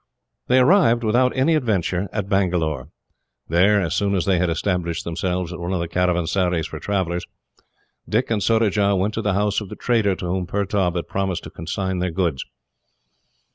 They arrived, without any adventure, at Bangalore. There, as soon as they had established themselves at one of the caravansaries for travellers, Dick and Surajah went to the house of the trader to whom Pertaub had promised to consign their goods.